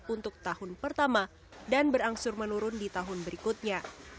untuk tahun pertama dan berangsur menurun di tahun berikutnya